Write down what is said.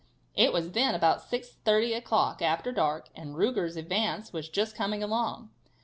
It was then about 6:30 o'clock, after dark, and Ruger's advance was just coming along.